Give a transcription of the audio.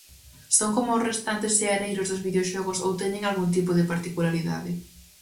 Son coma os restantes seareiros dos videoxogos ou teñen algún tipo de particularidade?